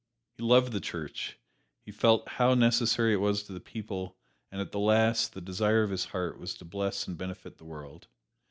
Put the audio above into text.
He loved the Church; he felt how necessary it was to the people, and at the last, the desire of his heart was to bless and benefit the world.